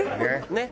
ねっ。